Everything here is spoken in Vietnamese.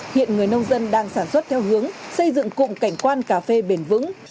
hiện người nông dân đang sản xuất theo hướng xây dựng cụm cảnh quan cà phê bền vững